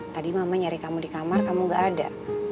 tadi mama nyari kamu di kamar kamu gak ada